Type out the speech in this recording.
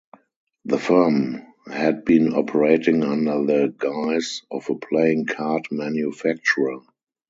The firm had been operating under the guise of a playing card manufacturer.